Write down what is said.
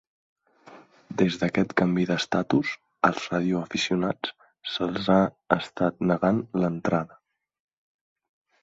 Des d'aquest canvi d'estatus, als radioaficionats se'ls ha estat negant l'entrada.